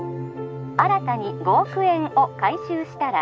☎新たに５億円を回収したら